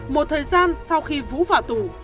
một thời gian sau khi vũ vào tù